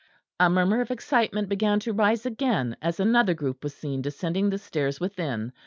A murmur of excitement began to rise again, as another group was seen descending the stairs within.